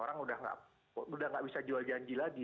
orang udah gak bisa jual janji lagi